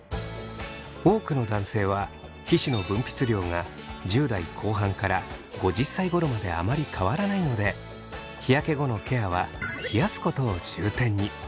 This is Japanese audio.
多くの男性は皮脂の分泌量が１０代後半から５０歳ごろまであまり変わらないので日焼け後のケアは冷やすことを重点に。